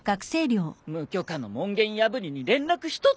無許可の門限破りに連絡一つなし。